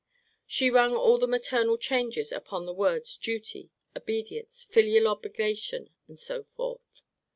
She rung all the maternal changes upon the words duty, obedience, filial obligation, and so forth.